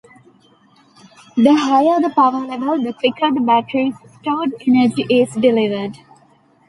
The higher the power level, the quicker the battery's stored energy is delivered.